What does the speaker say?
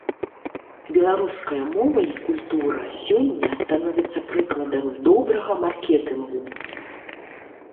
Беларуская мова і культура сёння становяцца прыкладам добрага маркетынгу.